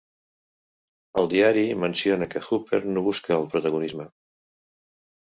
El diari menciona que Hooper no busca el protagonisme.